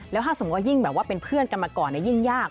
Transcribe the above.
แล้วถ้าสมมุติยิ่งแบบว่าเป็นเพื่อนกันมาก่อนยิ่งยาก